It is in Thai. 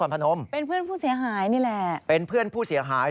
เป็นเพื่อนผู้เสียหายนี่แหละ